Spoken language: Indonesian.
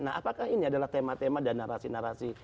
nah apakah ini adalah tema tema dan narasi narasi